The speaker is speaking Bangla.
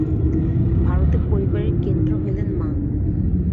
ভারতে পরিবারের কেন্দ্র হইলেন মা।